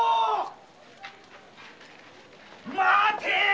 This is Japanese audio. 待て